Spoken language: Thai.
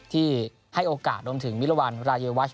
ที่ให้โอกาสโดนถึงวิรวารรายวัช